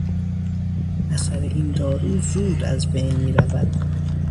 اثر این دارو زود از بین میرود.